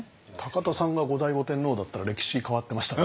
田さんが後醍醐天皇だったら歴史変わってましたね。